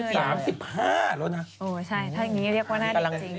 โอ้ใช่ถ้าอย่างนี้เรียกว่าหน้าเด็กจริง